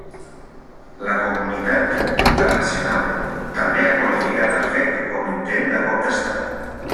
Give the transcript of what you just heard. La comunitat internacional també ha qualificat el fet com intent de cop d'estat.